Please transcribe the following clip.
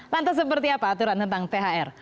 lantas seperti apa aturan tentang thr